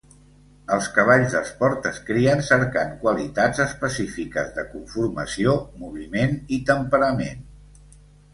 Els cavalls d'esport es crien cercant qualitats específiques de conformació, moviment i temperament.